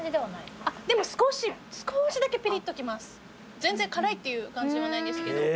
全然辛いっていう感じではないんですけど。